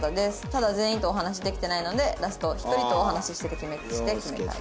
「ただ全員とお話しできてないのでラスト１人とお話しして決めたいです」。